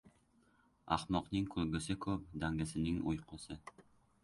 Ahmoqning kulgusi ko'p, dangasaning — uyqusi.